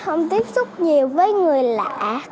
không tiếp xúc nhiều với người lạ